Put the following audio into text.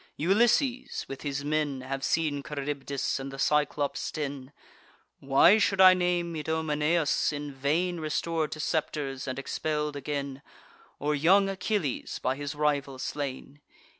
Ulysses with his men Have seen Charybdis and the Cyclops' den. Why should I name Idomeneus, in vain Restor'd to scepters, and expell'd again? Or young Achilles, by his rival slain?